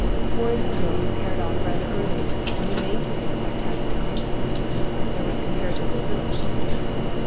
Boys and girls paired off rather early, and remained paired by tacit agreement; there was comparatively little shifting.